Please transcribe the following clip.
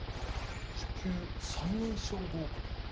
初級最年少合格。